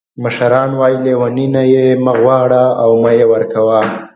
مشران وایي: لیوني نه یې مه غواړه او مه یې ورکوه.